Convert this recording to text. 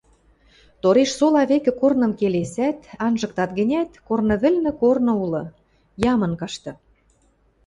Торешсола векӹ корным келесӓт, анжыктат гӹнят, корны вӹлнӹ корны улы — ямын кашты.